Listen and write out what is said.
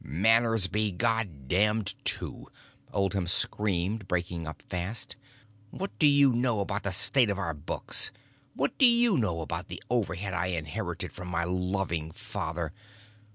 "Manners be God damned too!" Oldham screamed, breaking up fast. "What do you know about the state of our books? What do you know about the overhead I inherited from my loving father?